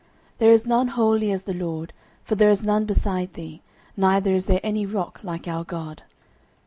09:002:002 There is none holy as the LORD: for there is none beside thee: neither is there any rock like our God.